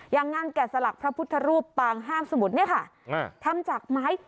อย่างงานแก่สลักพระพุทธรูปปางห้ามสมุทรเนี่ยค่ะทำจากไม้